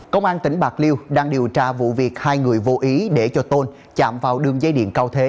công an tỉnh bạc liêu đang điều tra vụ việc hai người vô ý để cho tôn chạm vào đường dây điện cao thế